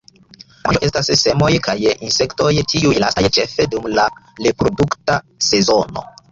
La manĝo estas semoj kaj insektoj, tiuj lastaj ĉefe dum la reprodukta sezono.